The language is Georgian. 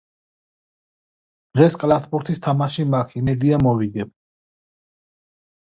დღეს კალათბურთის თამაში მაქ, იმედია მოვიგებ.